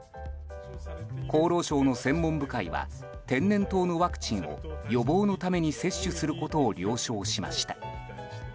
厚労省の専門部会は天然痘のワクチンを予防のために接種することを了承しました。